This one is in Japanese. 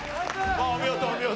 お見事お見事。